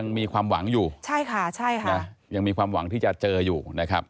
มีความหวังอยู่ใช่ค่ะใช่ค่ะนะยังมีความหวังที่จะเจออยู่นะครับ